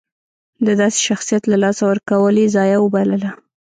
د داسې شخصیت له لاسه ورکول یې ضایعه وبلله.